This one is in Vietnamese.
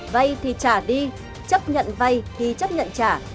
vay thì trả đi chấp nhận vay thì chấp nhận trả